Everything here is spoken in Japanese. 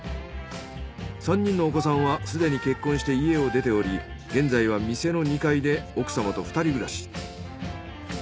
３人のお子さんはすでに結婚して家を出ており現在は店の２階で奥様と２人暮らし。